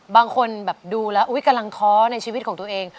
บางคนแบบดูแล้วกำลังท้อในชีวิตของตัวเอง